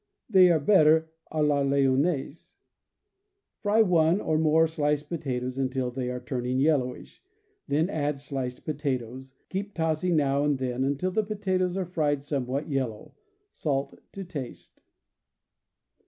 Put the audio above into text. They are better h la Lyonnaise: fry one or more sliced onions until they are turning yellowish, then add sliced potatoes; keep tossing now and then until the potatoes are fried somewhat yellow; salt to taste.